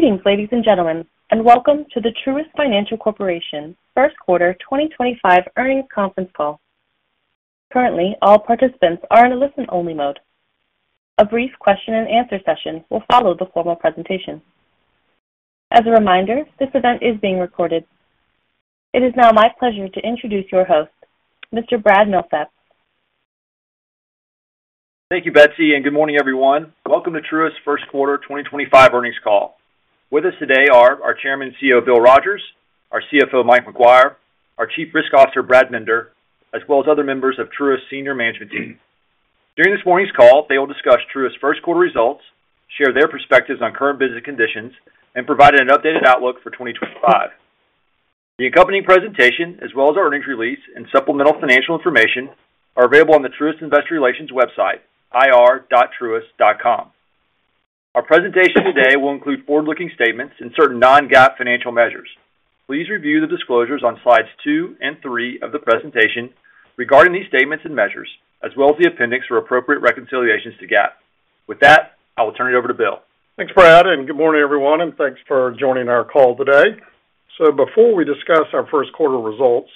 Greetings, ladies and gentlemen, and welcome to the Truist Financial Corporation First Quarter 2025 Earnings Conference Call. Currently, all participants are in a listen-only mode. A brief question-and-answer session will follow the formal presentation. As a reminder, this event is being recorded. It is now my pleasure to introduce your host, Mr. Brad Milsaps. Thank you, Betsy, and good morning, everyone. Welcome to Truist's First Quarter 2025 Earnings Call. With us today are our Chairman and CEO, Bill Rogers; our CFO, Mike Maguire; our Chief Risk Officer, Brad Bender; as well as other members of Truist's senior management team. During this morning's call, they will discuss Truist's first quarter results, share their perspectives on current business conditions, and provide an updated outlook for 2025. The accompanying presentation, as well as our earnings release and supplemental financial information, are available on the Truist Investor Relations website, ir.truist.com. Our presentation today will include forward-looking statements and certain non-GAAP financial measures. Please review the disclosures on Slides 2 and 3 of the presentation regarding these statements and measures, as well as the appendix for appropriate reconciliations to GAAP. With that, I will turn it over to Bill. Thanks, Brad, and good morning, everyone, and thanks for joining our call today. Before we discuss our first quarter results,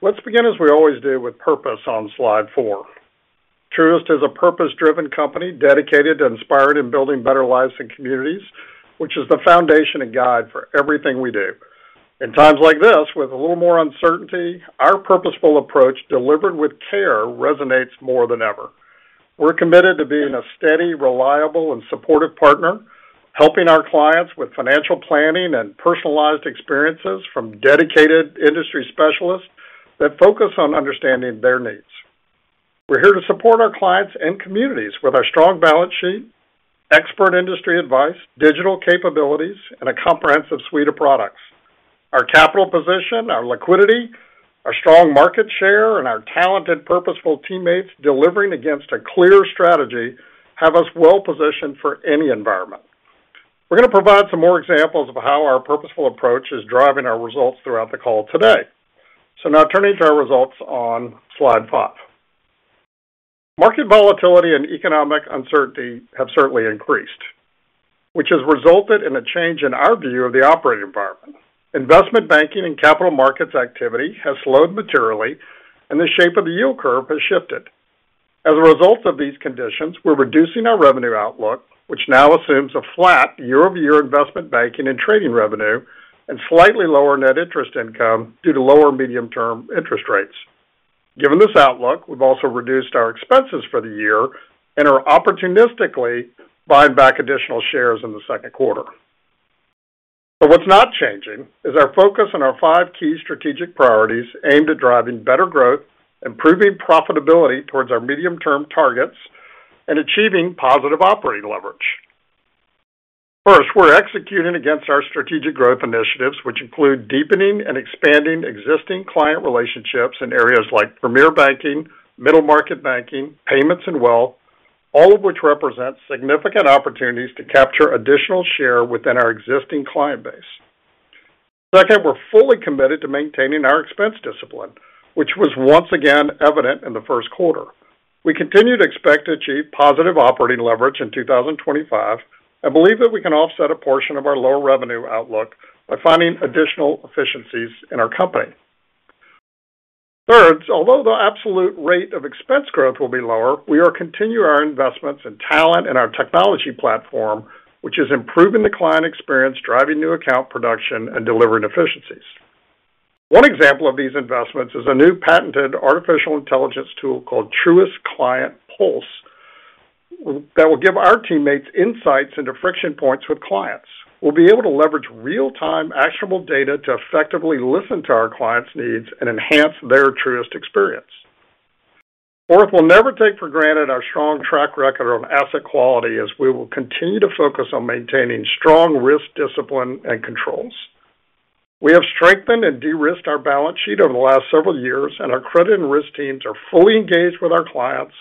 let's begin, as we always do, with purpose on Slide 4. Truist is a purpose-driven company dedicated to inspiring and building better lives and communities, which is the foundation and guide for everything we do. In times like this, with a little more uncertainty, our purposeful approach, delivered with care, resonates more than ever. We're committed to being a steady, reliable, and supportive partner, helping our clients with financial planning and personalized experiences from dedicated industry specialists that focus on understanding their needs. We're here to support our clients and communities with our strong balance sheet, expert industry advice, digital capabilities, and a comprehensive suite of products. Our capital position, our liquidity, our strong market share, and our talented, purposeful teammates delivering against a clear strategy have us well-positioned for any environment. We're going to provide some more examples of how our purposeful approach is driving our results throughout the call today. Now turning to our results on Slide 5. Market volatility and economic uncertainty have certainly increased, which has resulted in a change in our view of the operating environment. Investment banking and capital markets activity has slowed materially, and the shape of the yield curve has shifted. As a result of these conditions, we're reducing our revenue outlook, which now assumes a flat year-over-year investment banking and trading revenue and slightly lower net interest income due to lower medium-term interest rates. Given this outlook, we've also reduced our expenses for the year and are opportunistically buying back additional shares in the second quarter. What is not changing is our focus on our five key strategic priorities aimed at driving better growth, improving profitability towards our medium-term targets, and achieving positive operating leverage. First, we are executing against our strategic growth initiatives, which include deepening and expanding existing client relationships in areas like Premier Banking, Middle Market Banking, Payments, and Wealth, all of which represent significant opportunities to capture additional share within our existing client base. Second, we are fully committed to maintaining our expense discipline, which was once again evident in the first quarter. We continue to expect to achieve positive operating leverage in 2025 and believe that we can offset a portion of our lower revenue outlook by finding additional efficiencies in our company. Third, although the absolute rate of expense growth will be lower, we are continuing our investments in talent and our technology platform, which is improving the client experience, driving new account production, and delivering efficiencies. One example of these investments is a new patented artificial intelligence tool called Truist Client Pulse that will give our teammates insights into friction points with clients. We'll be able to leverage real-time actionable data to effectively listen to our clients' needs and enhance their Truist experience. Fourth, we'll never take for granted our strong track record on asset quality, as we will continue to focus on maintaining strong risk discipline and controls. We have strengthened and de-risked our balance sheet over the last several years, and our credit and risk teams are fully engaged with our clients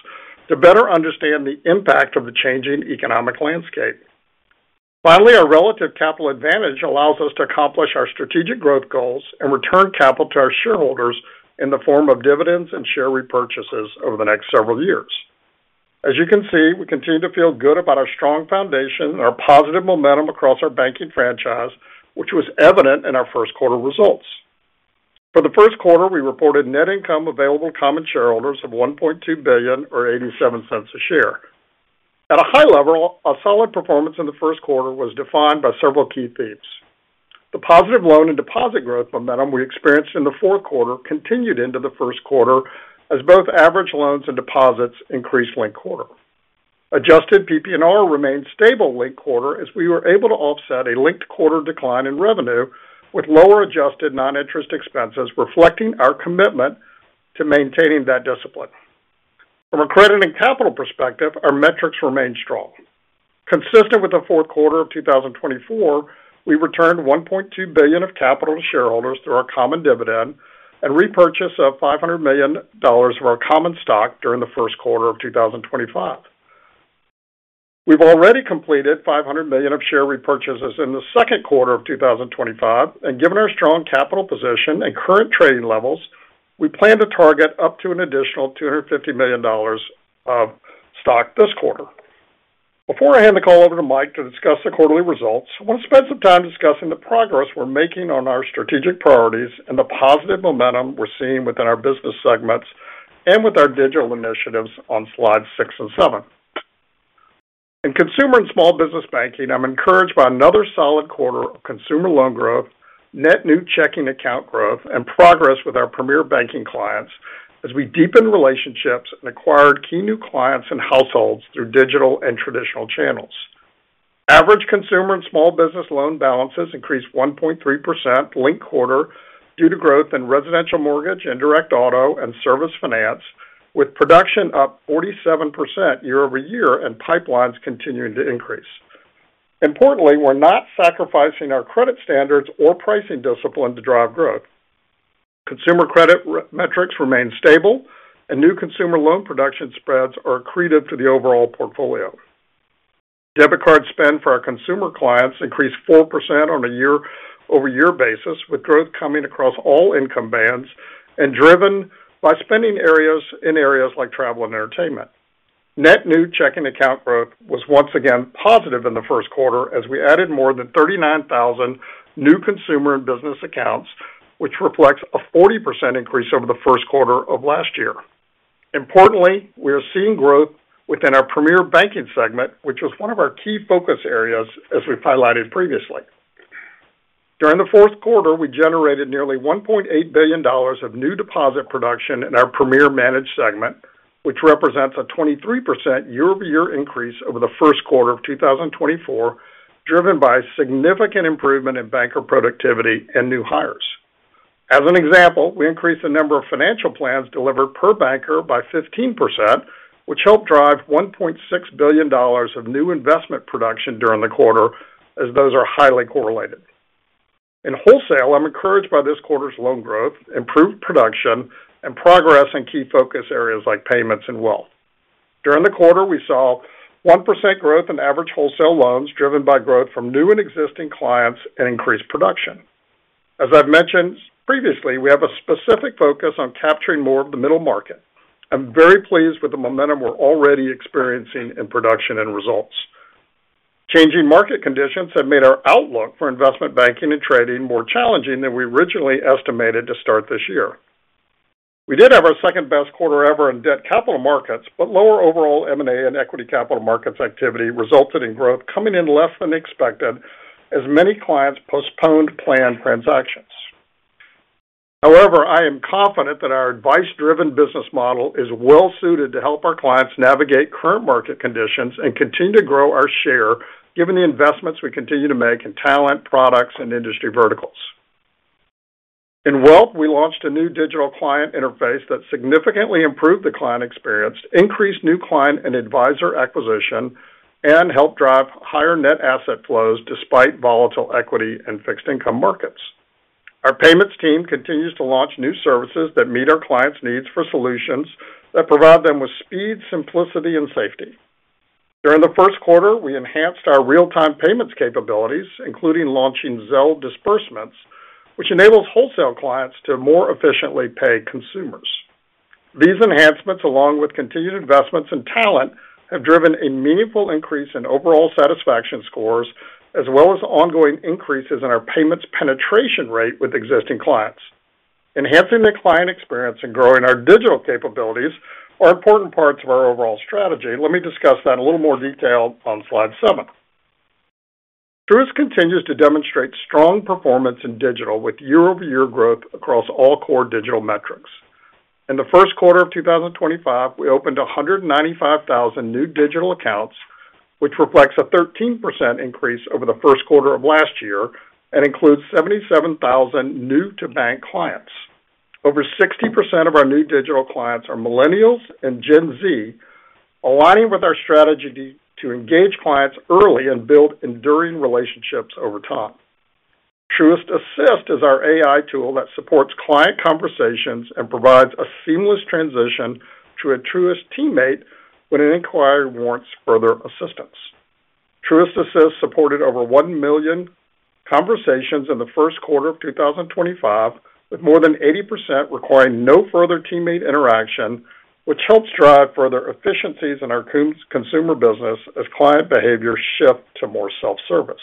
to better understand the impact of the changing economic landscape. Finally, our relative capital advantage allows us to accomplish our strategic growth goals and return capital to our shareholders in the form of dividends and share repurchases over the next several years. As you can see, we continue to feel good about our strong foundation and our positive momentum across our banking franchise, which was evident in our first quarter results. For the first quarter, we reported net income available to common shareholders of $1.2 billion, or $0.87 a share. At a high level, our solid performance in the first quarter was defined by several key themes. The positive loan and deposit growth momentum we experienced in the fourth quarter continued into the first quarter as both average loans and deposits increased linked quarter. Adjusted PP&R remained stable linked quarter as we were able to offset a linked quarter decline in revenue with lower adjusted non-interest expenses, reflecting our commitment to maintaining that discipline. From a credit and capital perspective, our metrics remained strong. Consistent with the fourth quarter of 2024, we returned $1.2 billion of capital to shareholders through our common dividend and repurchase of $500 million of our common stock during the first quarter of 2025. We've already completed $500 million of share repurchases in the second quarter of 2025, and given our strong capital position and current trading levels, we plan to target up to an additional $250 million of stock this quarter. Before I hand the call over to Mike to discuss the quarterly results, I want to spend some time discussing the progress we're making on our strategic priorities and the positive momentum we're seeing within our business segments and with our digital initiatives on Slides 6 and 7. In Consumer and Small Business Banking, I'm encouraged by another solid quarter of consumer loan growth, net new checking account growth, and progress with our Premier Banking clients as we deepened relationships and acquired key new clients and households through digital and traditional channels. Average consumer and small business loan balances increased 1.3% linked quarter due to growth in residential mortgage, indirect auto, and service finance, with production up 47% year-over-year and pipelines continuing to increase. Importantly, we're not sacrificing our credit standards or pricing discipline to drive growth. Consumer credit metrics remain stable, and new consumer loan production spreads are accretive to the overall portfolio. Debit card spend for our consumer clients increased 4% on a year-over-year basis, with growth coming across all income bands and driven by spending areas in areas like travel and entertainment. Net new checking account growth was once again positive in the first quarter as we added more than 39,000 new consumer and business accounts, which reflects a 40% increase over the first quarter of last year. Importantly, we are seeing growth within our Premier Banking segment, which was one of our key focus areas, as we've highlighted previously. During the fourth quarter, we generated nearly $1.8 billion of new deposit production in our Premier managed segment, which represents a 23% year-over-year increase over the first quarter of 2024, driven by significant improvement in banker productivity and new hires. As an example, we increased the number of financial plans delivered per banker by 15%, which helped drive $1.6 billion of new investment production during the quarter, as those are highly correlated. In Wholesale, I'm encouraged by this quarter's loan growth, improved production, and progress in key focus areas like payments and wealth. During the quarter, we saw 1% growth in average Wholesale loans driven by growth from new and existing clients and increased production. As I've mentioned previously, we have a specific focus on capturing more of the middle market. I'm very pleased with the momentum we're already experiencing in production and results. Changing market conditions have made our outlook for investment banking and trading more challenging than we originally estimated to start this year. We did have our second-best quarter ever in debt capital markets, but lower overall M&A and equity capital markets activity resulted in growth coming in less than expected as many clients postponed planned transactions. However, I am confident that our advice-driven business model is well-suited to help our clients navigate current market conditions and continue to grow our share, given the investments we continue to make in talent, products, and industry verticals. In wealth, we launched a new digital client interface that significantly improved the client experience, increased new client and advisor acquisition, and helped drive higher net asset flows despite volatile equity and fixed income markets. Our payments team continues to launch new services that meet our clients' needs for solutions that provide them with speed, simplicity, and safety. During the first quarter, we enhanced our real-time payments capabilities, including launching Zelle Disbursements, which enables wholesale clients to more efficiently pay consumers. These enhancements, along with continued investments in talent, have driven a meaningful increase in overall satisfaction scores, as well as ongoing increases in our payments penetration rate with existing clients. Enhancing the client experience and growing our digital capabilities are important parts of our overall strategy. Let me discuss that in a little more detail on slide seven. Truist continues to demonstrate strong performance in digital with year-over-year growth across all core digital metrics. In the first quarter of 2025, we opened 195,000 new digital accounts, which reflects a 13% increase over the first quarter of last year and includes 77,000 new-to-bank clients. Over 60% of our new digital clients are millennials and Gen Z, aligning with our strategy to engage clients early and build enduring relationships over time. Truist Assist is our AI tool that supports client conversations and provides a seamless transition to a Truist teammate when an inquiry warrants further assistance. Truist Assist supported over 1 million conversations in the first quarter of 2025, with more than 80% requiring no further teammate interaction, which helps drive further efficiencies in our consumer business as client behavior shifts to more self-service.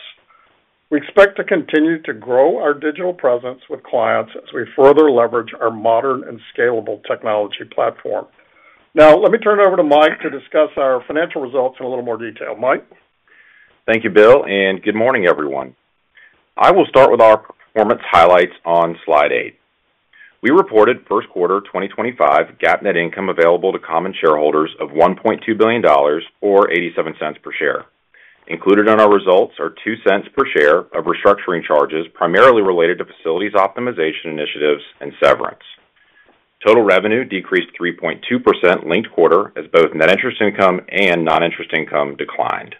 We expect to continue to grow our digital presence with clients as we further leverage our modern and scalable technology platform. Now, let me turn it over to Mike to discuss our financial results in a little more detail. Mike. Thank you, Bill, and good morning, everyone. I will start with our performance highlights on Slide 8. We reported first quarter 2025 GAAP net income available to common shareholders of $1.2 billion, or $0.87 per share. Included in our results are $0.02 per share of restructuring charges primarily related to facilities optimization initiatives and severance. Total revenue decreased 3.2% linked quarter as both net interest income and non-interest income declined.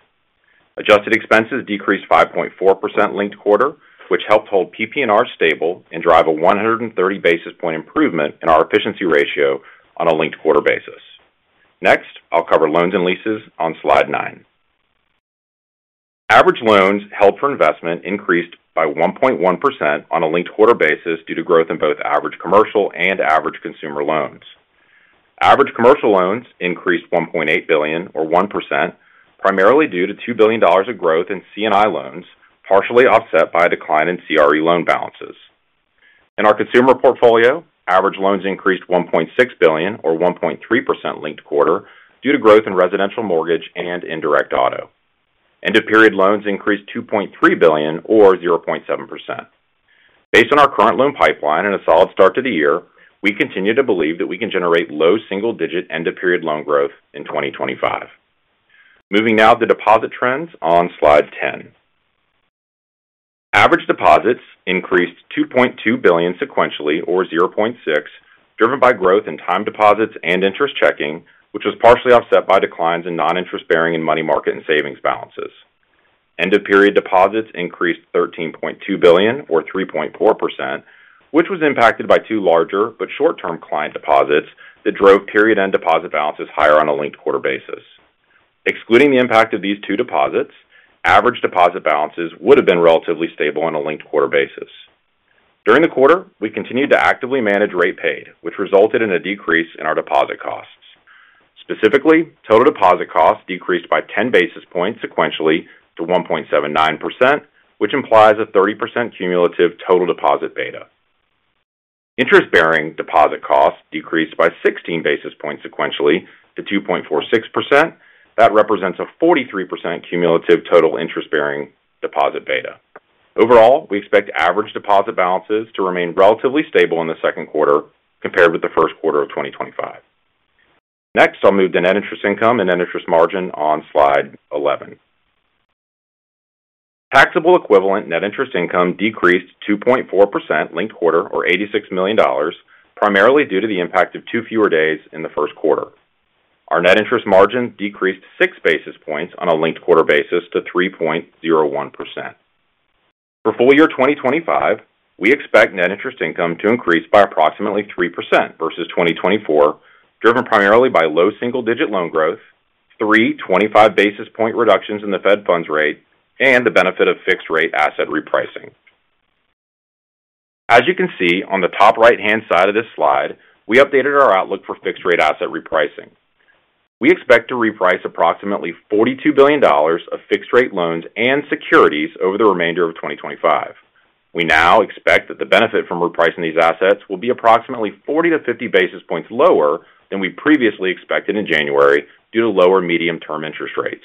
Adjusted expenses decreased 5.4% linked quarter, which helped hold PP&R stable and drive a 130 basis point improvement in our efficiency ratio on a linked quarter basis. Next, I'll cover loans and leases on Slide 9. Average loans held for investment increased by 1.1% on a linked quarter basis due to growth in both average commercial and average consumer loans. Average commercial loans increased $1.8 billion, or 1%, primarily due to $2 billion of growth in C&I loans, partially offset by a decline in CRE loan balances. In our consumer portfolio, average loans increased $1.6 billion, or 1.3% linked quarter, due to growth in residential mortgage and indirect auto. End-of-period loans increased $2.3 billion, or 0.7%. Based on our current loan pipeline and a solid start to the year, we continue to believe that we can generate low single-digit end-of-period loan growth in 2025. Moving now to deposit trends on Slide 10. Average deposits increased $2.2 billion sequentially, or 0.6%, driven by growth in time deposits and interest checking, which was partially offset by declines in non-interest-bearing and money market and savings balances. End-of-period deposits increased $13.2 billion, or 3.4%, which was impacted by two larger but short-term client deposits that drove period-end deposit balances higher on a linked quarter basis. Excluding the impact of these two deposits, average deposit balances would have been relatively stable on a linked quarter basis. During the quarter, we continued to actively manage rate paid, which resulted in a decrease in our deposit costs. Specifically, total deposit costs decreased by 10 basis points sequentially to 1.79%, which implies a 30% cumulative total deposit beta. Interest-bearing deposit costs decreased by 16 basis points sequentially to 2.46%. That represents a 43% cumulative total interest-bearing deposit beta. Overall, we expect average deposit balances to remain relatively stable in the second quarter compared with the first quarter of 2025. Next, I'll move to net interest income and net interest margin on Slide 11. Taxable equivalent net interest income decreased 2.4% linked quarter, or $86 million, primarily due to the impact of two fewer days in the first quarter. Our net interest margin decreased 6 basis points on a linked quarter basis to 3.01%. For full year 2025, we expect net interest income to increase by approximately 3% versus 2024, driven primarily by low single-digit loan growth, three 25 basis point reductions in the Fed funds rate, and the benefit of fixed-rate asset repricing. As you can see on the top right-hand side of this slide, we updated our outlook for fixed-rate asset repricing. We expect to reprice approximately $42 billion of fixed-rate loans and securities over the remainder of 2025. We now expect that the benefit from repricing these assets will be approximately 40-50 basis points lower than we previously expected in January due to lower medium-term interest rates.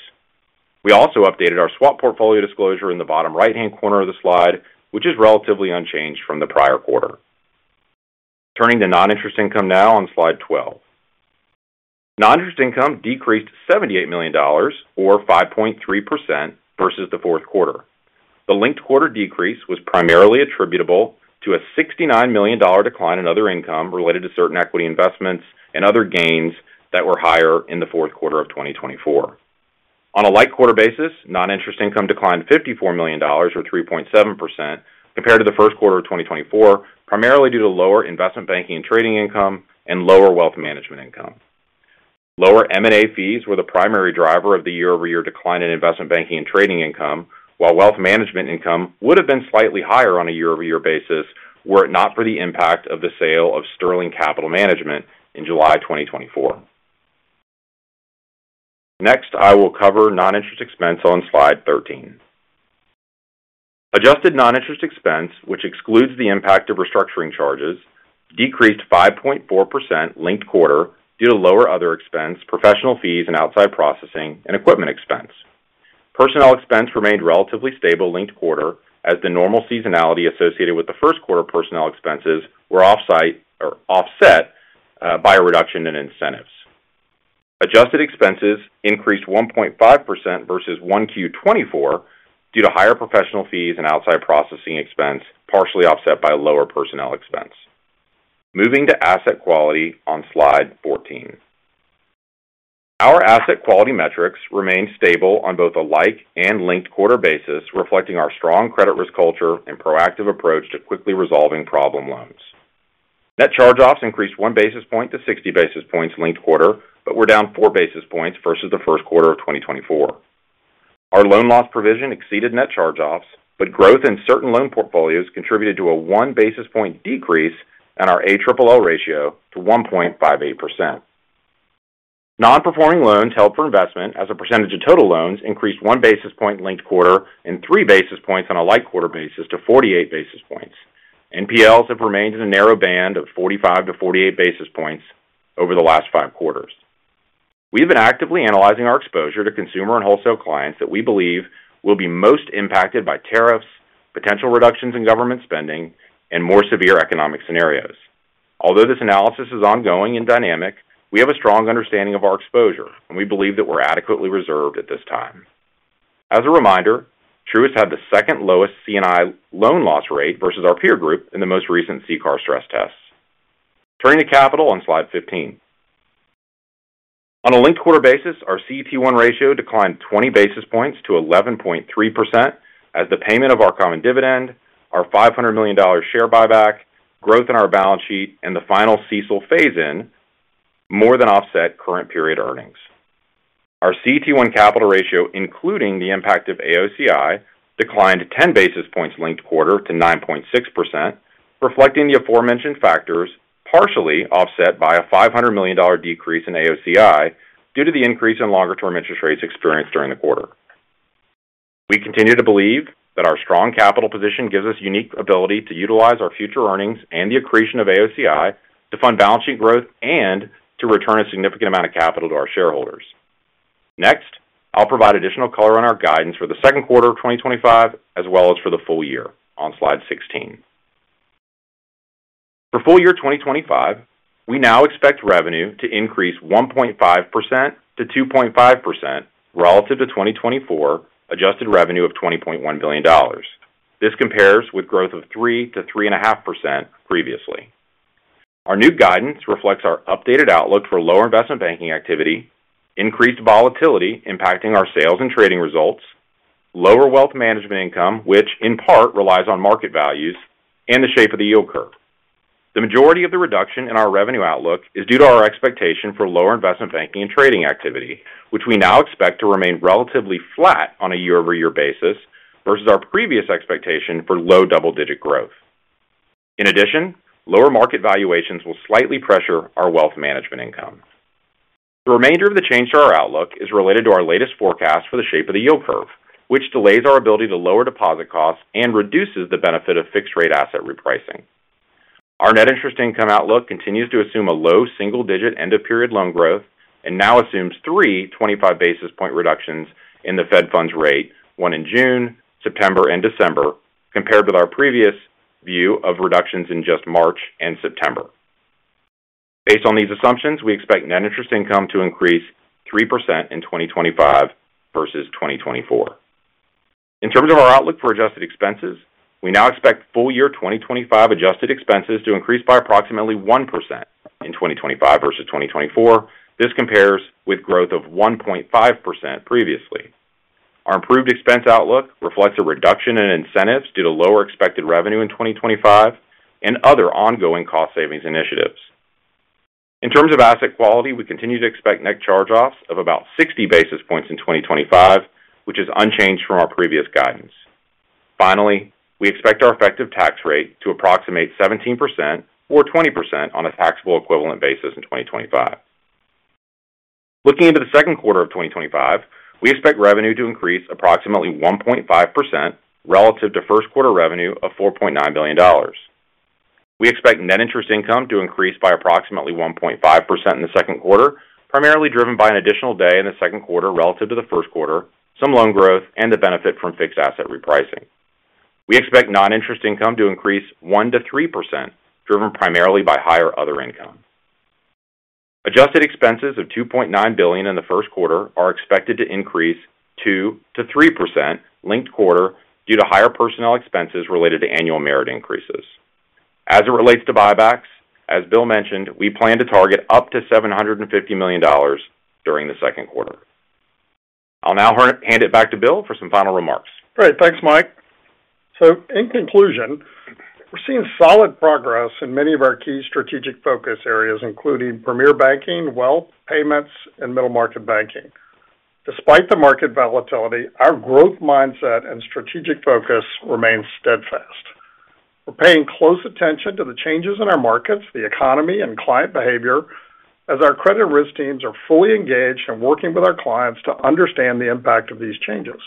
We also updated our swap portfolio disclosure in the bottom right-hand corner of the slide, which is relatively unchanged from the prior quarter. Turning to non-interest income now on Slide 12. Non-interest income decreased $78 million, or 5.3%, versus the fourth quarter. The linked quarter decrease was primarily attributable to a $69 million decline in other income related to certain equity investments and other gains that were higher in the fourth quarter of 2024. On a linked quarter basis, non-interest income declined $54 million, or 3.7%, compared to the first quarter of 2024, primarily due to lower investment banking and trading income and lower wealth management income. Lower M&A fees were the primary driver of the year-over-year decline in investment banking and trading income, while wealth management income would have been slightly higher on a year-over-year basis were it not for the impact of the sale of Sterling Capital Management in July 2024. Next, I will cover non-interest expense on Slide 13. Adjusted non-interest expense, which excludes the impact of restructuring charges, decreased 5.4% linked quarter due to lower other expense, professional fees, and outside processing and equipment expense. Personnel expense remained relatively stable linked quarter as the normal seasonality associated with the first quarter personnel expenses were offset by a reduction in incentives. Adjusted expenses increased 1.5% versus 1Q24 due to higher professional fees and outside processing expense, partially offset by lower personnel expense. Moving to asset quality on Slide 14. Our asset quality metrics remained stable on both a like and linked quarter basis, reflecting our strong credit risk culture and proactive approach to quickly resolving problem loans. Net charge-offs increased 1 basis point to 60 basis points linked quarter, but were down 4 basis points versus the first quarter of 2024. Our loan loss provision exceeded net charge-offs, but growth in certain loan portfolios contributed to a 1 basis point decrease in our AOCI ratio to 1.58%. Non-performing loans held for investment as a percentage of total loans increased 1 basis point linked quarter and 3 basis points on a like quarter basis to 48 basis points. NPLs have remained in a narrow band of 45-48 basis points over the last five quarters. We have been actively analyzing our exposure to consumer and wholesale clients that we believe will be most impacted by tariffs, potential reductions in government spending, and more severe economic scenarios. Although this analysis is ongoing and dynamic, we have a strong understanding of our exposure, and we believe that we're adequately reserved at this time. As a reminder, Truist had the second lowest C&I loan loss rate versus our peer group in the most recent CCAR stress test. Turning to capital on Slide 15. On a linked quarter basis, our CET1 ratio declined 20 basis points to 11.3% as the payment of our common dividend, our $500 million share buyback, growth in our balance sheet, and the final CECL phase-in more than offset current period earnings. Our CET1 capital ratio, including the impact of AOCI, declined 10 basis points linked quarter to 9.6%, reflecting the aforementioned factors partially offset by a $500 million decrease in AOCI due to the increase in longer-term interest rates experienced during the quarter. We continue to believe that our strong capital position gives us a unique ability to utilize our future earnings and the accretion of AOCI to fund balance sheet growth and to return a significant amount of capital to our shareholders. Next, I'll provide additional color on our guidance for the second quarter of 2025, as well as for the full year on Slide 16. For full year 2025, we now expect revenue to increase 1.5%-2.5% relative to 2024 adjusted revenue of $20.1 billion. This compares with growth of 3-3.5% previously. Our new guidance reflects our updated outlook for lower investment banking activity, increased volatility impacting our sales and trading results, lower wealth management income, which in part relies on market values and the shape of the yield curve. The majority of the reduction in our revenue outlook is due to our expectation for lower investment banking and trading activity, which we now expect to remain relatively flat on a year-over-year basis versus our previous expectation for low double-digit growth. In addition, lower market valuations will slightly pressure our wealth management income. The remainder of the change to our outlook is related to our latest forecast for the shape of the yield curve, which delays our ability to lower deposit costs and reduces the benefit of fixed-rate asset repricing. Our net interest income outlook continues to assume a low single-digit end-of-period loan growth and now assumes three 25 basis point reductions in the Fed funds rate, one in June, September, and December, compared with our previous view of reductions in just March and September. Based on these assumptions, we expect net interest income to increase 3% in 2025 versus 2024. In terms of our outlook for adjusted expenses, we now expect full year 2025 adjusted expenses to increase by approximately 1% in 2025 versus 2024. This compares with growth of 1.5% previously. Our improved expense outlook reflects a reduction in incentives due to lower expected revenue in 2025 and other ongoing cost savings initiatives. In terms of asset quality, we continue to expect net charge-offs of about 60 basis points in 2025, which is unchanged from our previous guidance. Finally, we expect our effective tax rate to approximate 17% or 20% on a taxable equivalent basis in 2025. Looking into the second quarter of 2025, we expect revenue to increase approximately 1.5% relative to first quarter revenue of $4.9 billion. We expect net interest income to increase by approximately 1.5% in the second quarter, primarily driven by an additional day in the second quarter relative to the first quarter, some loan growth, and the benefit from fixed asset repricing. We expect non-interest income to increase 1-3%, driven primarily by higher other income. Adjusted expenses of $2.9 billion in the first quarter are expected to increase 2-3% linked quarter due to higher personnel expenses related to annual merit increases. As it relates to buybacks, as Bill mentioned, we plan to target up to $750 million during the second quarter. I'll now hand it back to Bill for some final remarks. Great. Thanks, Mike. In conclusion, we're seeing solid progress in many of our key strategic focus areas, including Premier Banking, Wealth Payments, and Middle Market Banking. Despite the market volatility, our growth mindset and strategic focus remain steadfast. We're paying close attention to the changes in our markets, the economy, and client behavior as our credit risk teams are fully engaged and working with our clients to understand the impact of these changes.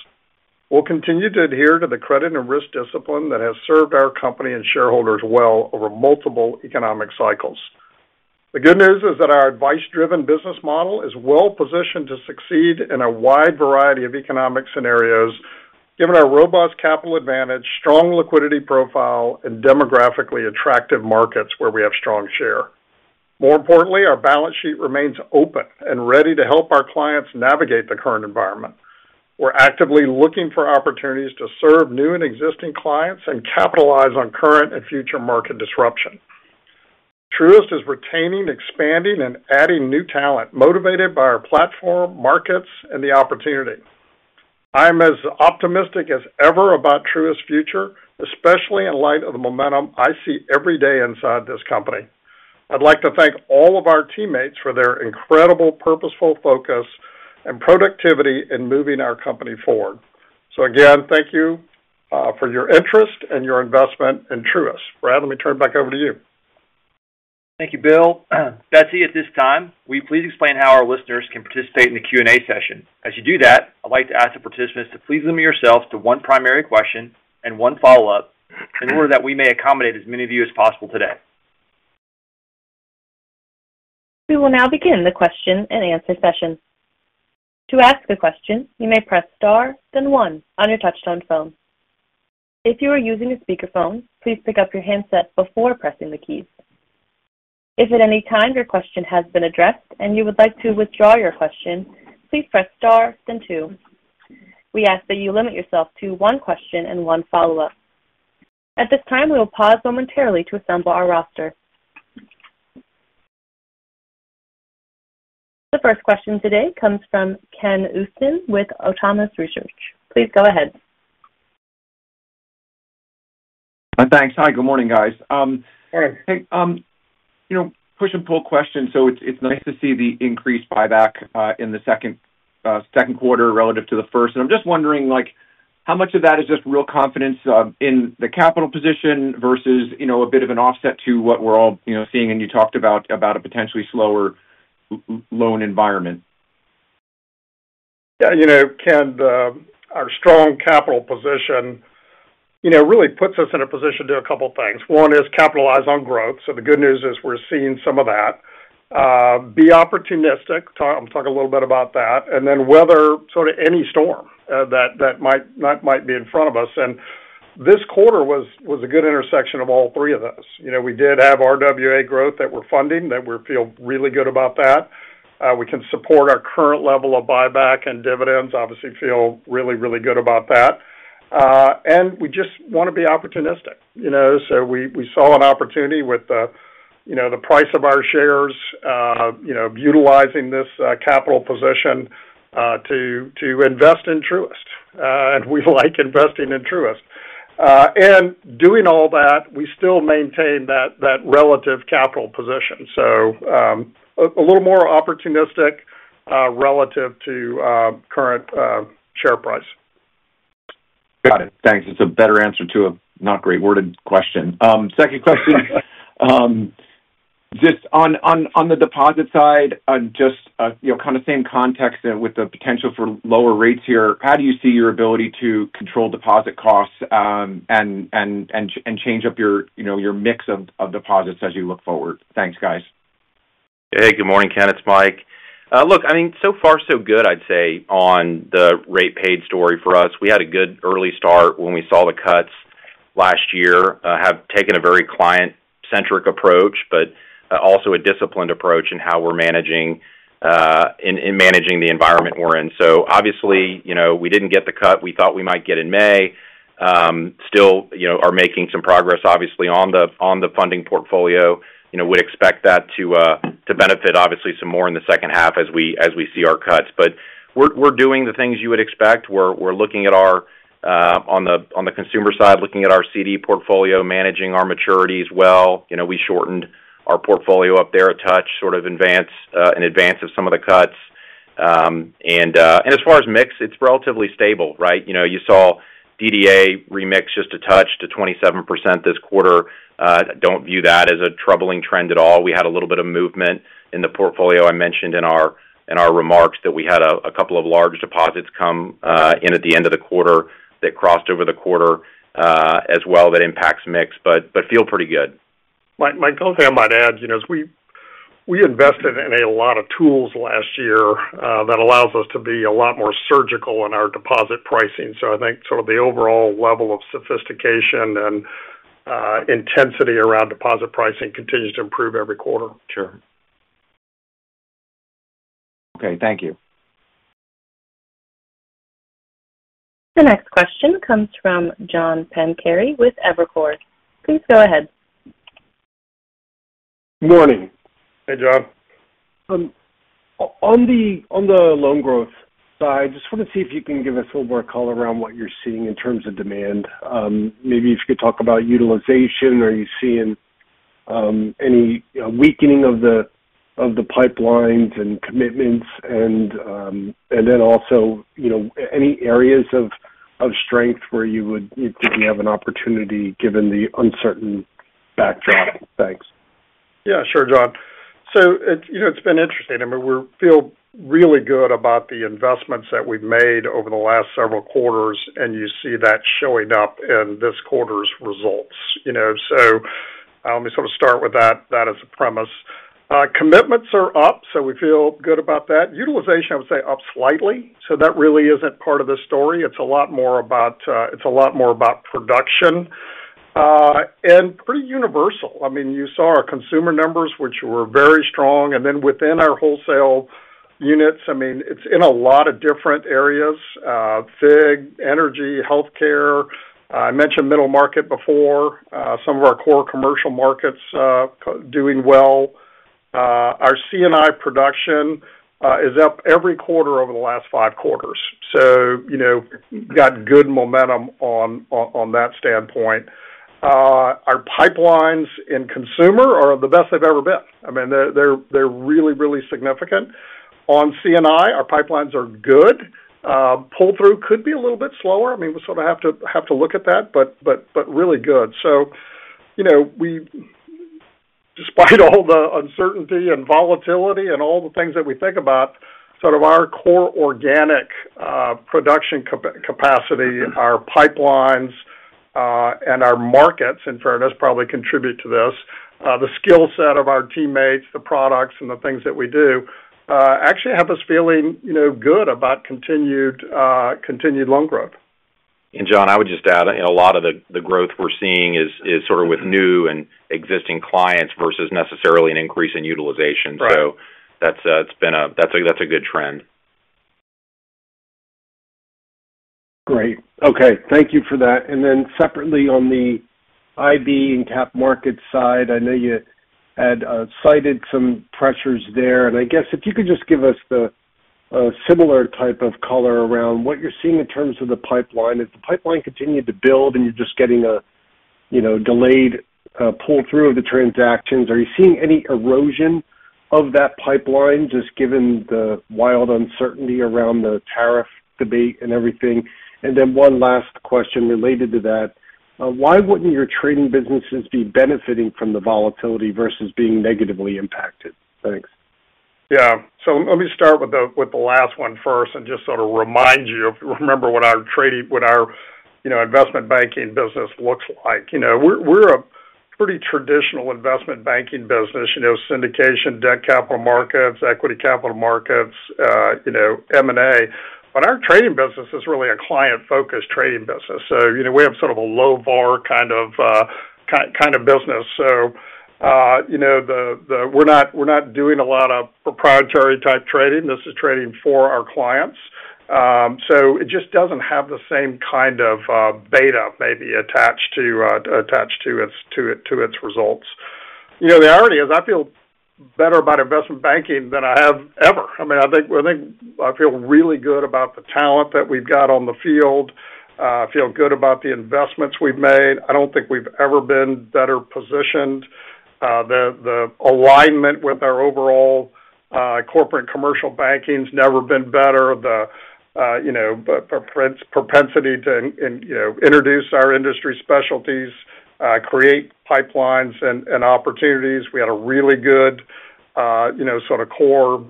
We'll continue to adhere to the credit and risk discipline that has served our company and shareholders well over multiple economic cycles. The good news is that our advice-driven business model is well positioned to succeed in a wide variety of economic scenarios, given our robust capital advantage, strong liquidity profile, and demographically attractive markets where we have strong share. More importantly, our balance sheet remains open and ready to help our clients navigate the current environment. We're actively looking for opportunities to serve new and existing clients and capitalize on current and future market disruption. Truist is retaining, expanding, and adding new talent motivated by our platform, markets, and the opportunity. I am as optimistic as ever about Truist's future, especially in light of the momentum I see every day inside this company. I'd like to thank all of our teammates for their incredible purposeful focus and productivity in moving our company forward. Thank you for your interest and your investment in Truist. Brad, let me turn it back over to you. Thank you, Bill. Betsy, at this time, will you please explain how our listeners can participate in the Q&A session? As you do that, I'd like to ask the participants to please limit yourselves to one primary question and one follow-up in order that we may accommodate as many of you as possible today. We will now begin the question and answer session. To ask a question, you may press star, then one on your touchstone phone. If you are using a speakerphone, please pick up your handset before pressing the keys. If at any time your question has been addressed and you would like to withdraw your question, please press star, then two. We ask that you limit yourself to one question and one follow-up. At this time, we will pause momentarily to assemble our roster. The first question today comes from Ken Usdin with Autonomous Research. Please go ahead. Thanks. Hi, good morning, guys. Hey. Push and pull question. It's nice to see the increased buyback in the second quarter relative to the first. I'm just wondering, how much of that is just real confidence in the capital position versus a bit of an offset to what we're all seeing and you talked about a potentially slower loan environment? Yeah. Ken, our strong capital position really puts us in a position to do a couple of things. One is capitalize on growth. The good news is we're seeing some of that. Be opportunistic. I'll talk a little bit about that. Then weather sort of any storm that might be in front of us. This quarter was a good intersection of all three of those. We did have RWA growth that we're funding. We feel really good about that. We can support our current level of buyback and dividends. Obviously, feel really, really good about that. We just want to be opportunistic. We saw an opportunity with the price of our shares, utilizing this capital position to invest in Truist. We like investing in Truist. Doing all that, we still maintain that relative capital position. A little more opportunistic relative to current share price. Got it. Thanks. It's a better answer to a not great worded question. Second question. On the deposit side, just kind of same context with the potential for lower rates here. How do you see your ability to control deposit costs and change up your mix of deposits as you look forward? Thanks, guys. Hey, good morning, Ken. It's Mike. Look, I mean, so far, so good, I'd say, on the rate paid story for us. We had a good early start when we saw the cuts last year. Have taken a very client-centric approach, but also a disciplined approach in how we're managing the environment we're in. Obviously, we didn't get the cut we thought we might get in May. Still are making some progress, obviously, on the funding portfolio. Would expect that to benefit, obviously, some more in the second half as we see our cuts. We're doing the things you would expect. We're looking at our on the consumer side, looking at our CD portfolio, managing our maturities well. We shortened our portfolio up there a touch sort of in advance of some of the cuts. As far as mix, it's relatively stable, right? You saw DDA remix just a touch to 27% this quarter. I do not view that as a troubling trend at all. We had a little bit of movement in the portfolio. I mentioned in our remarks that we had a couple of large deposits come in at the end of the quarter that crossed over the quarter as well that impacts mix. I feel pretty good. Mike, the only thing I might add is we invested in a lot of tools last year that allows us to be a lot more surgical in our deposit pricing. I think sort of the overall level of sophistication and intensity around deposit pricing continues to improve every quarter. Sure. Okay.Thank you. The next question comes from John Pancari with Evercore. Please go ahead. Morning. Hey, John. On the loan growth side, just want to see if you can give us a little more color around what you're seeing in terms of demand. Maybe if you could talk about utilization. Are you seeing any weakening of the pipelines and commitments? And then also any areas of strength where you think you have an opportunity given the uncertain backdrop? Thanks. Yeah. Sure, John. It's been interesting. I mean, we feel really good about the investments that we've made over the last several quarters, and you see that showing up in this quarter's results. Let me sort of start with that as a premise. Commitments are up, so we feel good about that. Utilization, I would say, up slightly. That really isn't part of the story. It's a lot more about production and pretty universal. I mean, you saw our consumer numbers, which were very strong. Then within our wholesale units, I mean, it's in a lot of different areas: FIG, energy, healthcare. I mentioned middle market before. Some of our core commercial markets doing well. Our C&I production is up every quarter over the last five quarters. Got good momentum on that standpoint. Our pipelines in consumer are the best they've ever been. I mean, they're really, really significant. On C&I, our pipelines are good. Pull-through could be a little bit slower. I mean, we sort of have to look at that, but really good. Despite all the uncertainty and volatility and all the things that we think about, sort of our core organic production capacity, our pipelines, and our markets, in fairness, probably contribute to this. The skill set of our teammates, the products, and the things that we do actually have us feeling good about continued loan growth. And John, I would just add a lot of the growth we're seeing is sort of with new and existing clients versus necessarily an increase in utilization. That's a good trend. Great. Okay. Thank you for that. Then separately on the IB and cap market side, I know you had cited some pressures there. I guess if you could just give us a similar type of color around what you're seeing in terms of the pipeline. If the pipeline continued to build and you're just getting a delayed pull-through of the transactions, are you seeing any erosion of that pipeline just given the wild uncertainty around the tariff debate and everything? One last question related to that. Why wouldn't your trading businesses be benefiting from the volatility versus being negatively impacted? Thanks. Yeah. Let me start with the last one first and just sort of remind you of remember what our investment banking business looks like. We're a pretty traditional investment banking business: syndication, debt capital markets, equity capital markets, M&A. Our trading business is really a client-focused trading business. We have sort of a low-bar kind of business. We're not doing a lot of proprietary-type trading. This is trading for our clients. It just doesn't have the same kind of beta maybe attached to its results. The irony is I feel better about investment banking than I have ever. I mean, I think I feel really good about the talent that we've got on the field. I feel good about the investments we've made. I do not think we've ever been better positioned. The alignment with our overall corporate commercial banking has never been better. The propensity to introduce our industry specialties, create pipelines and opportunities. We had a really good sort of core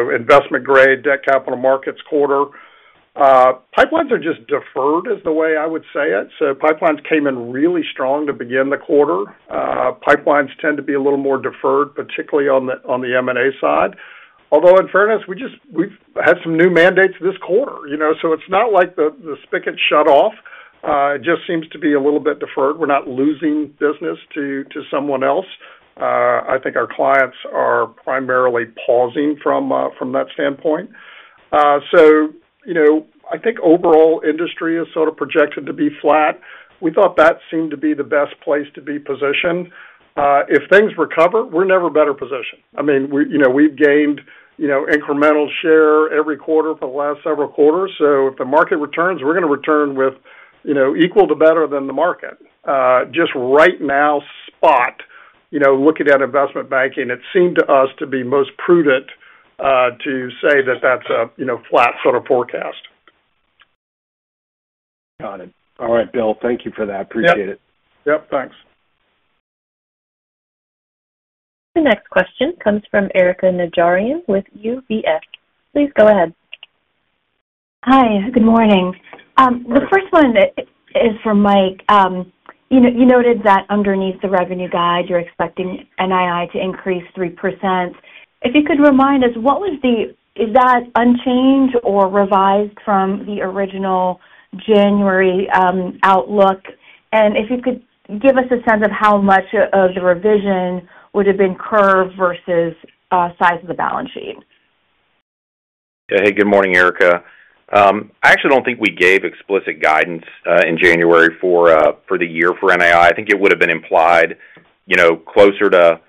investment-grade debt capital markets quarter. Pipelines are just deferred is the way I would say it. Pipelines came in really strong to begin the quarter. Pipelines tend to be a little more deferred, particularly on the M&A side. Although, in fairness, we've had some new mandates this quarter. It is not like the spicket shut off. It just seems to be a little bit deferred. We are not losing business to someone else. I think our clients are primarily pausing from that standpoint. I think overall industry is sort of projected to be flat. We thought that seemed to be the best place to be positioned. If things recover, we're never better positioned. I mean, we've gained incremental share every quarter for the last several quarters. If the market returns, we're going to return with equal to better than the market. Just right now, spot, looking at investment banking, it seemed to us to be most prudent to say that that's a flat sort of forecast. Got it. All right, Bill. Thank you for that. Appreciate it. Yep. Thanks. The next question comes from Erika Najarian with UBS. Please go ahead. Hi. Good morning. The first one is for Mike. You noted that underneath the revenue guide, you're expecting NII to increase 3%. If you could remind us, what was the is that unchanged or revised from the original January outlook? If you could give us a sense of how much of the revision would have been curved versus size of the balance sheet. Hey, good morning, Erica. I actually do not think we gave explicit guidance in January for the year for NII. I think it would have been implied closer to,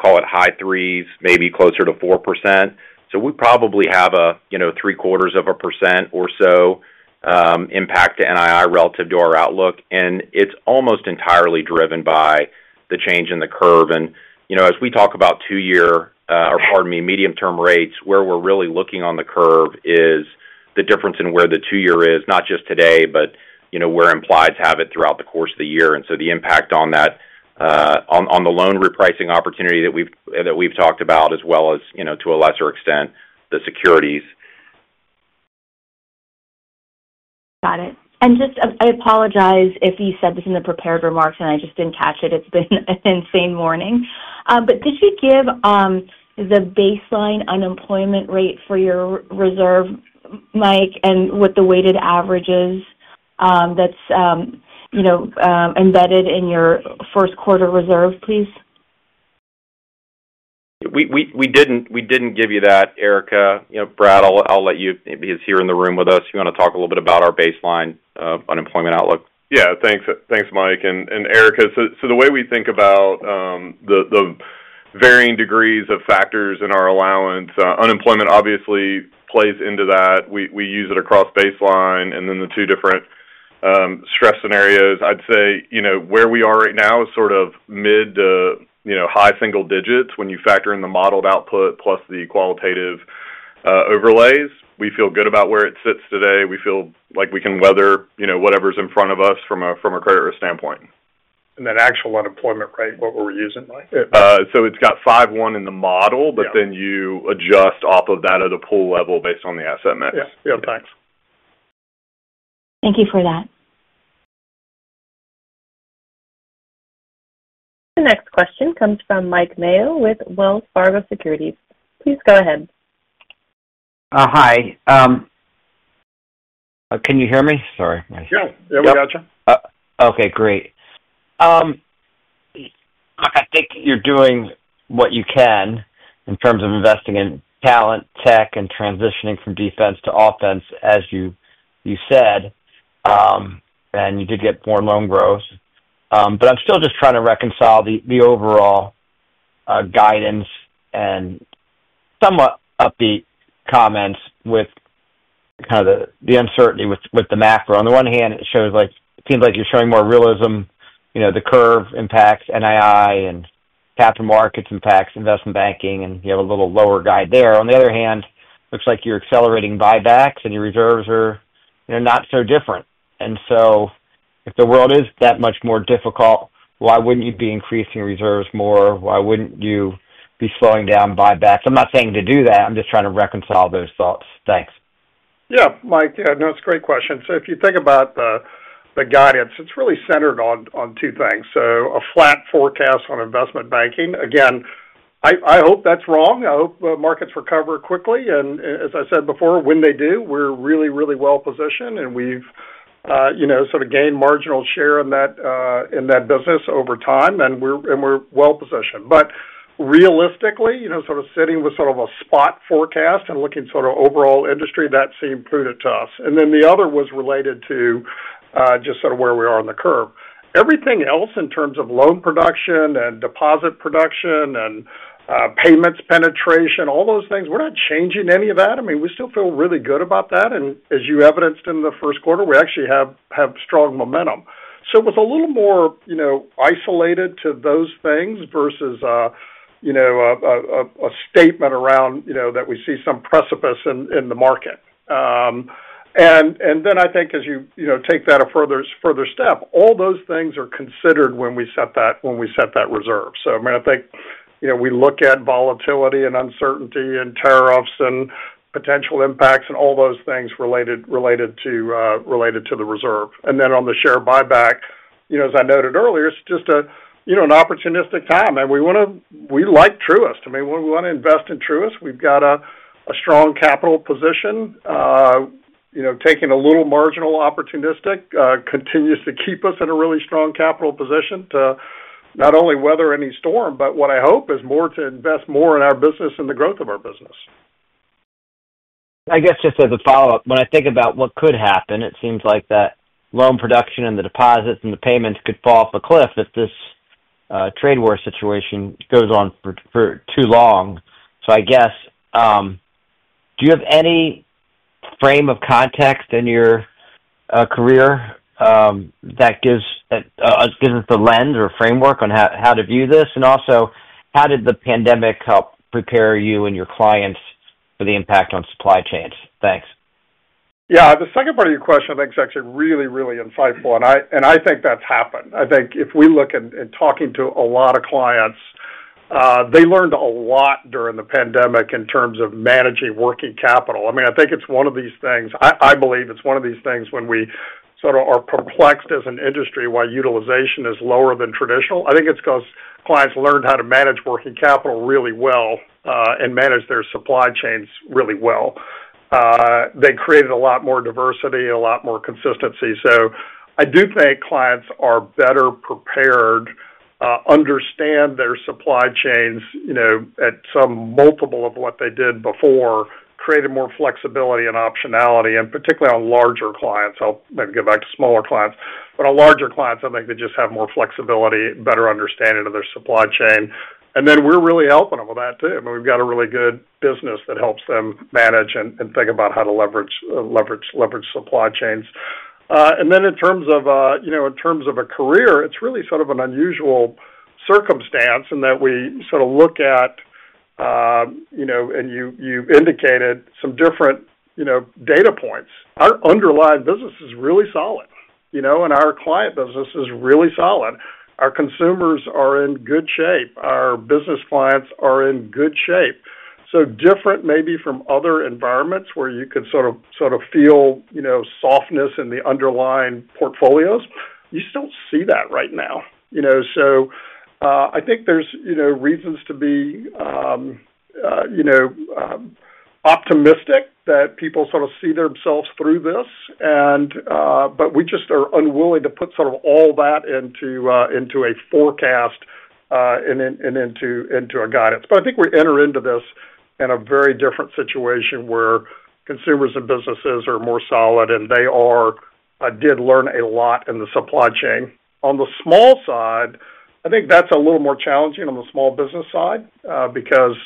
call it high threes, maybe closer to 4%. We probably have a three-quarters of a percent or so impact to NII relative to our outlook. It is almost entirely driven by the change in the curve. As we talk about two-year or, pardon me, medium-term rates, where we are really looking on the curve is the difference in where the two-year is, not just today, but we are implied to have it throughout the course of the year. The impact on that, on the loan repricing opportunity that we've talked about, as well as to a lesser extent, the securities. Got it. I apologize if you said this in the prepared remarks and I just didn't catch it. It's been an insane morning. Could you give the baseline unemployment rate for your reserve, Mike, and what the weighted average is that's embedded in your first quarter reserve, please? We didn't give you that, Erica. Brad, I'll let you be here in the room with us. You want to talk a little bit about our baseline unemployment outlook? Yeah. Thanks, Mike. Erica, the way we think about the varying degrees of factors in our allowance, unemployment obviously plays into that. We use it across baseline. The two different stress scenarios, I'd say where we are right now is sort of mid to high single digits when you factor in the modeled output plus the qualitative overlays. We feel good about where it sits today. We feel like we can weather whatever's in front of us from a credit risk standpoint. That actual unemployment rate, what were we using, Mike? It's got 5.1 in the model, but then you adjust off of that at a pool level based on the asset mix. Yeah. Thanks. Thank you for that. The next question comes from Mike Mayo with Wells Fargo Securities. Please go ahead. Hi. Can you hear me? Sorry. Yeah. Yeah. We got you. Okay. Great. I think you're doing what you can in terms of investing in talent, tech, and transitioning from defense to offense, as you said. You did get more loan growth. I'm still just trying to reconcile the overall guidance and somewhat upbeat comments with kind of the uncertainty with the macro. On the one hand, it seems like you're showing more realism. The curve impacts NII and capital markets impacts investment banking, and you have a little lower guide there. On the other hand, it looks like you're accelerating buybacks, and your reserves are not so different. If the world is that much more difficult, why wouldn't you be increasing reserves more? Why wouldn't you be slowing down buybacks? I'm not saying to do that. I'm just trying to reconcile those thoughts. Thanks. Yeah. Mike, yeah. No, it's a great question. If you think about the guidance, it's really centered on two things. A flat forecast on investment banking. Again, I hope that's wrong. I hope the markets recover quickly. As I said before, when they do, we're really, really well positioned, and we've sort of gained marginal share in that business over time, and we're well positioned. Realistically, sort of sitting with sort of a spot forecast and looking sort of overall industry, that seemed prudent to us. The other was related to just sort of where we are on the curve. Everything else in terms of loan production and deposit production and payments penetration, all those things, we're not changing any of that. I mean, we still feel really good about that. As you evidenced in the first quarter, we actually have strong momentum. It was a little more isolated to those things versus a statement around that we see some precipice in the market. I think as you take that a further step, all those things are considered when we set that reserve. I mean, I think we look at volatility and uncertainty and tariffs and potential impacts and all those things related to the reserve. On the share buyback, as I noted earlier, it's just an opportunistic time. We like Truist. I mean, we want to invest in Truist. We've got a strong capital position. Taking a little marginal opportunistic continues to keep us in a really strong capital position to not only weather any storm, but what I hope is more to invest more in our business and the growth of our business. I guess just as a follow-up, when I think about what could happen, it seems like that loan production and the deposits and the payments could fall off a cliff if this trade war situation goes on for too long. I guess, do you have any frame of context in your career that gives us a lens or framework on how to view this? Also, how did the pandemic help prepare you and your clients for the impact on supply chains? Thanks. Yeah. The second part of your question, I think, is actually really, really insightful. I think that's happened. I think if we look at talking to a lot of clients, they learned a lot during the pandemic in terms of managing working capital. I mean, I think it's one of these things. I believe it's one of these things when we sort of are perplexed as an industry why utilization is lower than traditional. I think it's because clients learned how to manage working capital really well and manage their supply chains really well. They created a lot more diversity, a lot more consistency. I do think clients are better prepared, understand their supply chains at some multiple of what they did before, created more flexibility and optionality, and particularly on larger clients. I'll maybe go back to smaller clients. On larger clients, I think they just have more flexibility, better understanding of their supply chain. I mean, we've got a really good business that helps them manage and think about how to leverage supply chains. In terms of a career, it's really sort of an unusual circumstance in that we sort of look at, and you've indicated, some different data points. Our underlying business is really solid. Our client business is really solid. Our consumers are in good shape. Our business clients are in good shape. Different maybe from other environments where you could sort of feel softness in the underlying portfolios. You just don't see that right now. I think there's reasons to be optimistic that people sort of see themselves through this. We just are unwilling to put sort of all that into a forecast and into a guidance. I think we enter into this in a very different situation where consumers and businesses are more solid, and they did learn a lot in the supply chain. On the small side, I think that's a little more challenging on the small business side because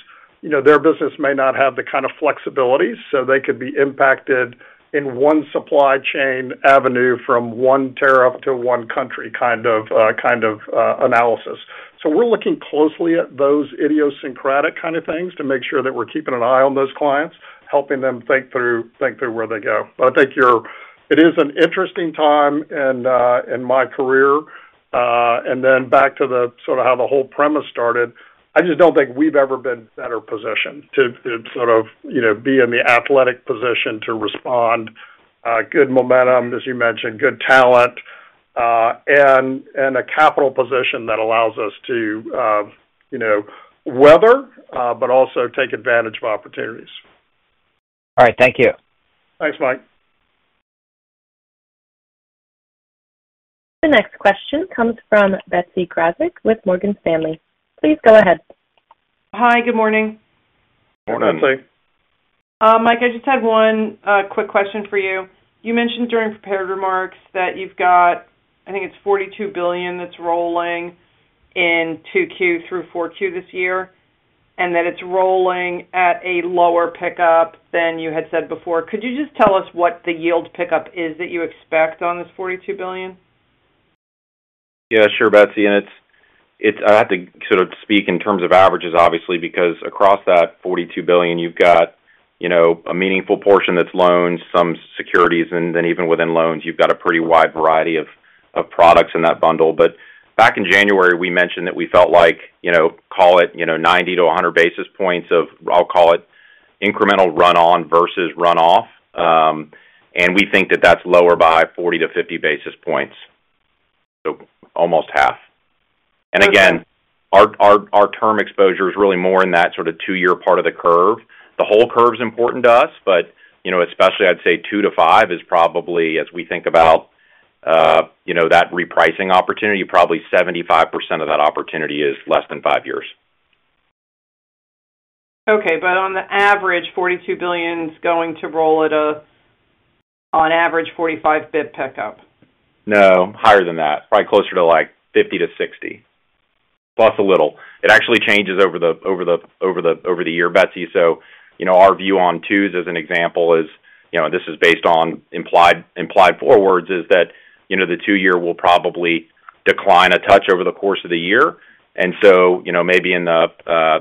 their business may not have the kind of flexibility. They could be impacted in one supply chain avenue from one tariff to one country kind of analysis. We're looking closely at those idiosyncratic kind of things to make sure that we're keeping an eye on those clients, helping them think through where they go. I think it is an interesting time in my career. Back to sort of how the whole premise started, I just don't think we've ever been better positioned to sort of be in the athletic position to respond, good momentum, as you mentioned, good talent, and a capital position that allows us to weather, but also take advantage of opportunities. All right. Thank you. Thanks, Mike. The next question comes from Betsy Graseck with Morgan Stanley. Please go ahead. Hi. Good morning. Morning, Betsy. Mike, I just had one quick question for you. You mentioned during prepared remarks that you've got, I think it's $42 billion that's rolling in 2Q through 4Q this year, and that it's rolling at a lower pickup than you had said before. Could you just tell us what the yield pickup is that you expect on this $42 billion? Yeah. Sure, Betsy. And I have to sort of speak in terms of averages, obviously, because across that $42 billion, you've got a meaningful portion that's loans, some securities, and then even within loans, you've got a pretty wide variety of products in that bundle. Back in January, we mentioned that we felt like, call it 90-100 basis points of, I'll call it incremental run-on versus run-off. We think that that's lower by 40-50 basis points, so almost half. Again, our term exposure is really more in that sort of two-year part of the curve. The whole curve is important to us, but especially, I'd say 2 to 5 is probably, as we think about that repricing opportunity, probably 75% of that opportunity is less than five years. Okay. On the average, $42 billion is going to roll at an average 45-basis point pickup. No, higher than that. Probably closer to like 50-60, plus a little. It actually changes over the year, Betsy. Our view on twos, as an example, and this is based on implied forwards, is that the two-year will probably decline a touch over the course of the year. Maybe in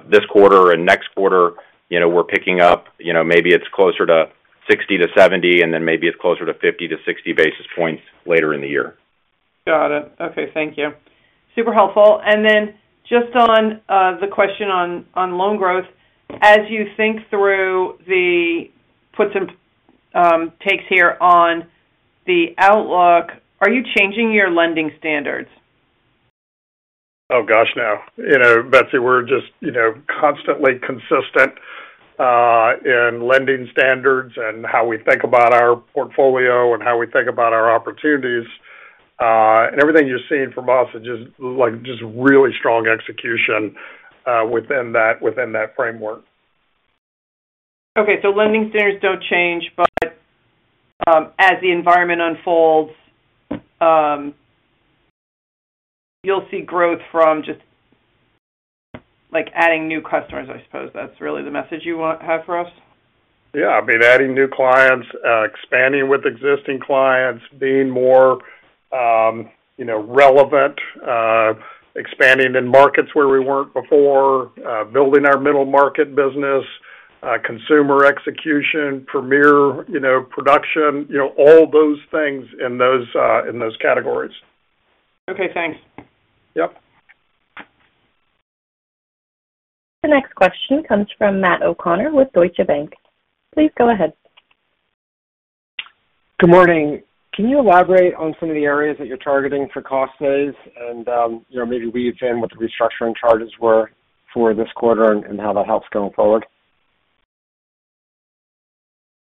this quarter and next quarter, we're picking up. Maybe it's closer to 60-70, and then maybe it's closer to 50-60 basis points later in the year. Got it. Okay. Thank you. Super helpful. And then just on the question on loan growth, as you think through the puts and takes here on the outlook, are you changing your lending standards? Oh, gosh, no. Betsy, we're just constantly consistent in lending standards and how we think about our portfolio and how we think about our opportunities. Everything you're seeing from us is just really strong execution within that framework. Okay. So lending standards don't change, but as the environment unfolds, you'll see growth from just adding new customers, I suppose. That's really the message you have for us? Yeah. I mean, adding new clients, expanding with existing clients, being more relevant, expanding in markets where we were not before, building our middle market business, consumer execution, premier production, all those things in those categories. Okay. Thanks. Yep. The next question comes from Matt O'Connor with Deutsche Bank. Please go ahead. Good morning. Can you elaborate on some of the areas that you are targeting for cost saves and maybe weave in what the restructuring charges were for this quarter and how that helps going forward?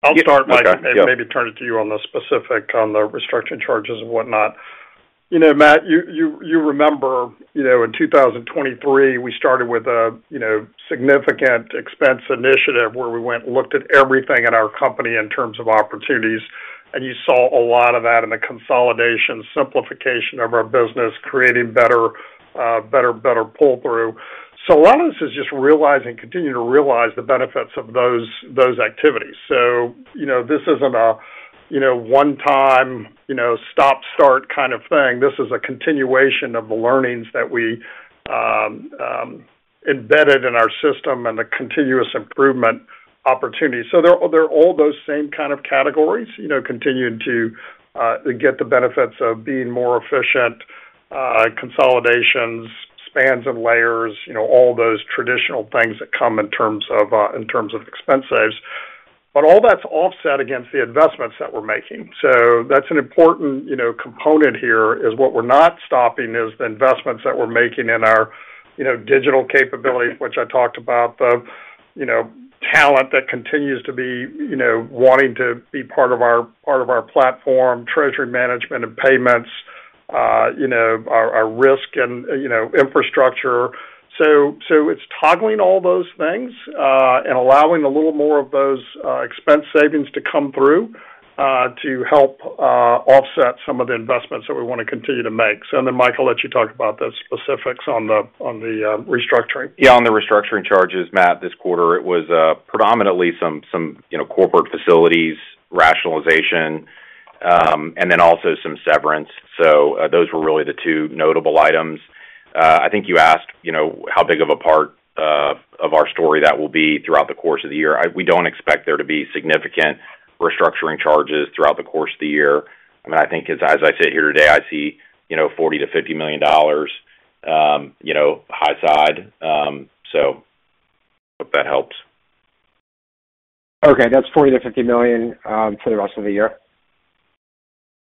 I will start by maybe turning to you on the specific on the restructuring charges and what not. Matt, you remember in 2023, we started with a significant expense initiative where we went and looked at everything in our company in terms of opportunities. You saw a lot of that in the consolidation, simplification of our business, creating better pull-through. A lot of this is just realizing, continuing to realize the benefits of those activities. This is not a one-time stop-start kind of thing. This is a continuation of the learnings that we embedded in our system and the continuous improvement opportunity. They are all those same kind of categories, continuing to get the benefits of being more efficient, consolidations, spans and layers, all those traditional things that come in terms of expense saves. All that is offset against the investments that we are making. That is an important component here. What we are not stopping is the investments that we are making in our digital capabilities, which I talked about, the talent that continues to be wanting to be part of our platform, treasury management and payments, our risk and infrastructure. It's toggling all those things and allowing a little more of those expense savings to come through to help offset some of the investments that we want to continue to make. Mike, I'll let you talk about the specifics on the restructuring. Yeah. On the restructuring charges, Matt, this quarter, it was predominantly some corporate facilities rationalization, and then also some severance. Those were really the two notable items. I think you asked how big of a part of our story that will be throughout the course of the year. We don't expect there to be significant restructuring charges throughout the course of the year. I mean, as I sit here today, I see $40 million-$50 million high side. I hope that helps. Okay. That's $40 million-$50 million for the rest of the year?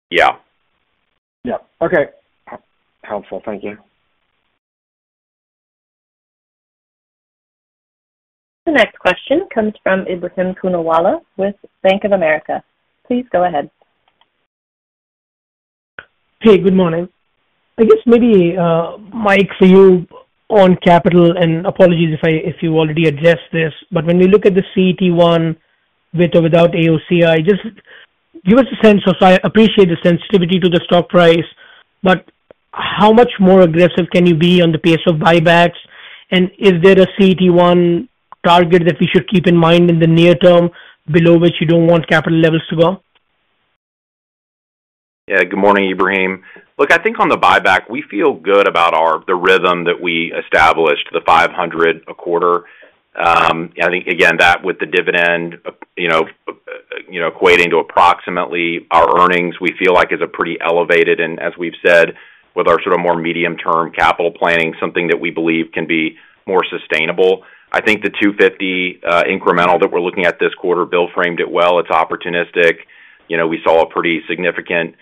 Yeah. Yep. Okay. Helpful. Thank you. The next question comes from Ebrahim Poonawala with Bank of America. Please go ahead. Hey, good morning. I guess maybe, Mike, for you on capital, and apologies if you've already addressed this, but when we look at the CT1 with or without AOCI, just give us a sense of I appreciate the sensitivity to the stock price, but how much more aggressive can you be on the pace of buybacks? And is there a CT1 target that we should keep in mind in the near term below which you don't want capital levels to go? Yeah. Good morning, Ebrahim. Look, I think on the buyback, we feel good about the rhythm that we established, the $500 million a quarter. I think, again, that with the dividend equating to approximately our earnings, we feel like is a pretty elevated, and as we've said, with our sort of more medium-term capital planning, something that we believe can be more sustainable. I think the $250 million incremental that we're looking at this quarter, Bill framed it well. It's opportunistic. We saw a pretty significant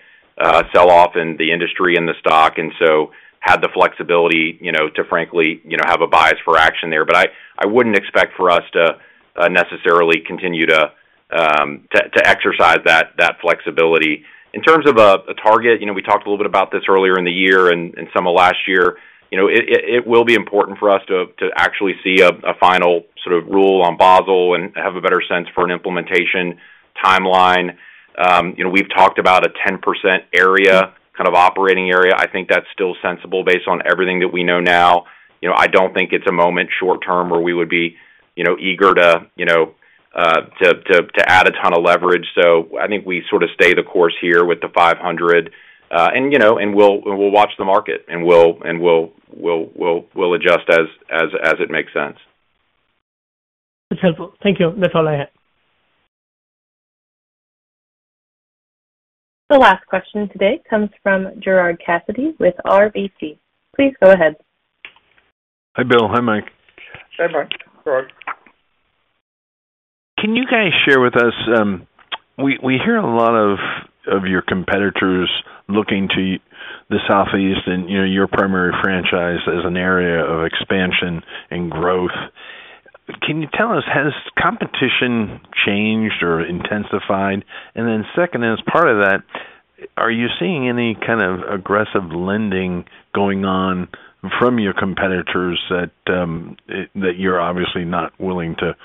sell-off in the industry and the stock, and so had the flexibility to, frankly, have a bias for action there. I would not expect for us to necessarily continue to exercise that flexibility. In terms of a target, we talked a little bit about this earlier in the year and some of last year. It will be important for us to actually see a final sort of rule on Basel and have a better sense for an implementation timeline. We've talked about a 10% area, kind of operating area. I think that's still sensible based on everything that we know now. I don't think it's a moment short term where we would be eager to add a ton of leverage. I think we sort of stay the course here with the 500. We'll watch the market, and we'll adjust as it makes sense. That's helpful. Thank you. That's all I had. The last question today comes from Gerard Cassidy with RBC. Please go ahead. Hi, Bill. Hi, Mike. Gerard. Can you guys share with us, we hear a lot of your competitors looking to the Southeast and your primary franchise as an area of expansion and growth. Can you tell us, has competition changed or intensified? Then second, as part of that, are you seeing any kind of aggressive lending going on from your competitors that you're obviously not willing to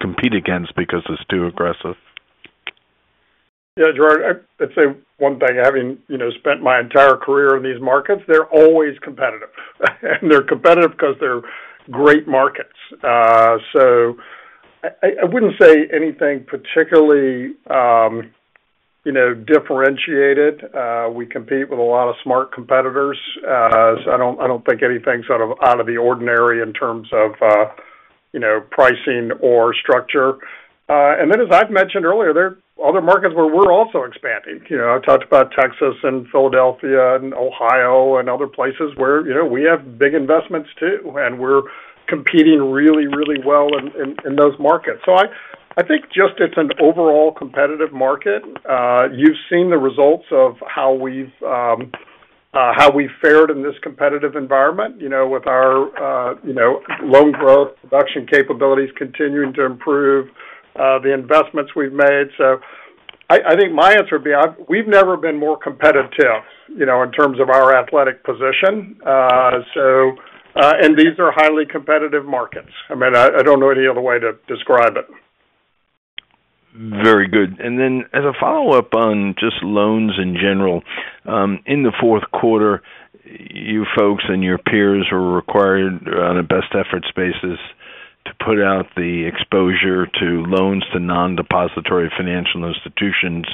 compete against because it's too aggressive? Yeah. Gerard, I'd say one thing. Having spent my entire career in these markets, they're always competitive. They're competitive because they're great markets. I wouldn't say anything particularly differentiated. We compete with a lot of smart competitors. I don't think anything's out of the ordinary in terms of pricing or structure. As I've mentioned earlier, there are other markets where we're also expanding. I talked about Texas and Philadelphia and Ohio and other places where we have big investments too, and we're competing really, really well in those markets. I think just it's an overall competitive market. You've seen the results of how we've fared in this competitive environment with our loan growth, production capabilities continuing to improve, the investments we've made. I think my answer would be we've never been more competitive in terms of our athletic position. These are highly competitive markets. I mean, I don't know any other way to describe it. Very good. As a follow-up on just loans in general, in the fourth quarter, you folks and your peers were required on a best-effort basis to put out the exposure to loans to non-depository financial institutions.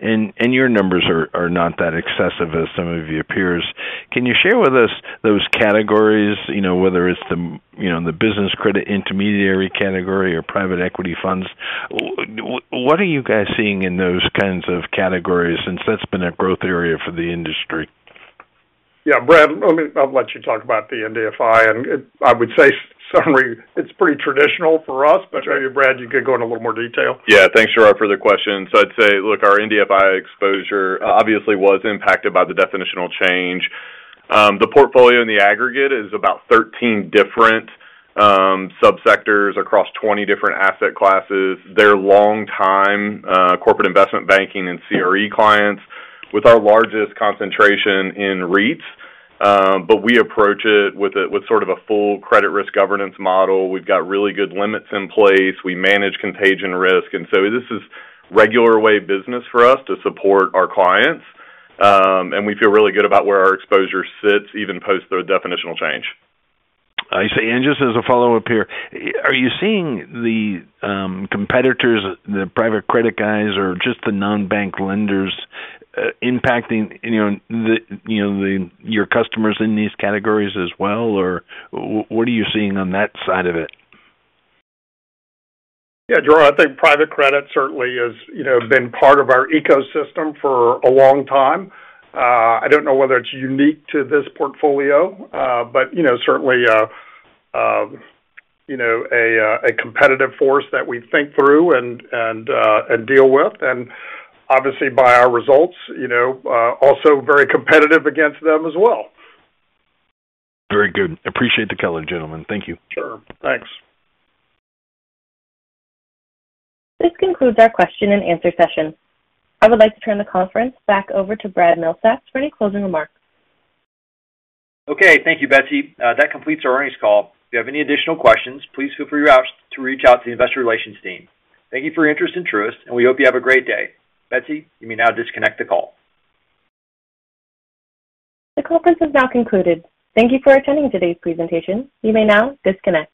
Your numbers are not that excessive as some of your peers. Can you share with us those categories, whether it's the business credit intermediary category or private equity funds? What are you guys seeing in those kinds of categories since that's been a growth area for the industry? Yeah.Brad, I'll let you talk about the NDFI. I would say, summary, it's pretty traditional for us, but maybe, Brad, you could go into a little more detail. Yeah. Thanks, Gerard, for the question. I'd say, look, our NDFI exposure obviously was impacted by the definitional change. The portfolio in the aggregate is about 13 different subsectors across 20 different asset classes. They're long-time corporate investment banking and CRE clients with our largest concentration in REITs. We approach it with sort of a full credit risk governance model. We've got really good limits in place. We manage contagion risk. This is regular way of business for us to support our clients. We feel really good about where our exposure sits even post the definitional change. I see, and just as a follow-up here, are you seeing the competitors, the private credit guys, or just the non-bank lenders impacting your customers in these categories as well? Or what are you seeing on that side of it? Yeah. Gerard, I think private credit certainly has been part of our ecosystem for a long time. I do not know whether it is unique to this portfolio, but certainly a competitive force that we think through and deal with and obviously by our results, also very competitive against them as well. Very good. Appreciate the color, gentlemen. Thank you. Sure. Thanks. This concludes our question and answer session. I would like to turn the conference back over to Brad Milsaps for any closing remarks. Okay. Thank you, Betsy. That completes our earnings call. If you have any additional questions, please feel free to reach out to the investor relations team. Thank you for your interest and trust, and we hope you have a great day. Betsy, you may now disconnect the call. The conference has now concluded. Thank you for attending today's presentation. You may now disconnect.